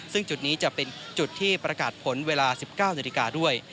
ซึ่งจุดนี้จะเป็นจุดที่ประกาศผลเวลา๑๙นาฬิกาด้วย